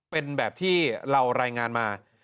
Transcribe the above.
เป็นแบบที่เรารายงานมา